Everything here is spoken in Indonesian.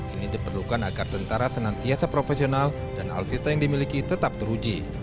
ini diperlukan agar tentara senantiasa profesional dan alutsista yang dimiliki tetap teruji